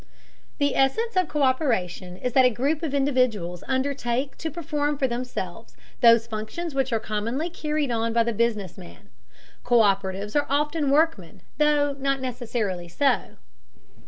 The essence of co÷peration is that a group of individuals undertake to perform for themselves those functions which are commonly carried on by the business man. Co÷peratives are often workmen, though not necessarily so.